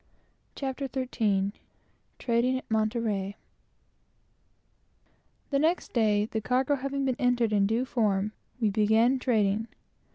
CHAPTER XIII TRADING A BRITISH SAILOR The next day, the cargo having been entered in due form, we began trading.